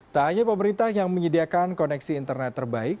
tak hanya pemerintah yang menyediakan koneksi internet terbaik